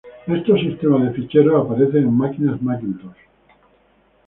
Estos sistemas de ficheros aparecen en máquinas Macintosh.